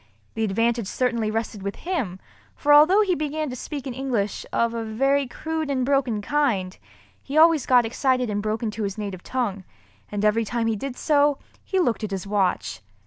The advantage certainly rested with him, for although he began to speak in English, of a very crude and broken kind, he always got excited and broke into his native tongue—and every time he did so, he looked at his watch.